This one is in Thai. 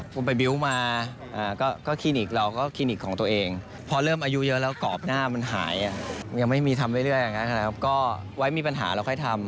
ผมไปบิ้วต์มาก็คลินิกเราก็คลินิกของตัวเองพอเริ่มอายุเยอะแล้วกรอบหน้ามันหายยังไม่มีทำเรื่อยอย่างนั้นนะครับก็ไว้มีปัญหาเราค่อยทำ